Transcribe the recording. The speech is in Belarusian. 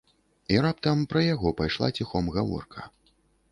І раптам пра яго пайшла ціхом гаворка.